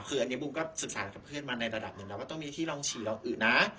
คืออันนี้บูมก็ศึกษากับเพื่อนมาในระดับหนึ่งแล้วว่าต้องมีที่ลองฉีดลองอื่นนะ